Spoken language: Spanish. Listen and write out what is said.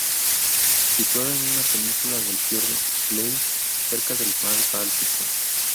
Situada en una península del fiordo "Schlei", cerca del mar Báltico.